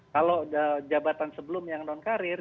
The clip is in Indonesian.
kalau jabatan sebelum yang non karir